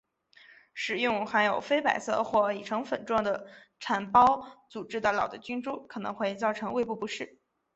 食用含有非白色或已成粉状的产孢组织的老的菌株可能会造成胃部不适。